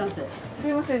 すみません